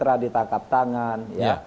yang ditangkap tangan